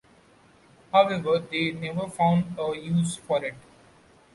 However, they never found a use for it.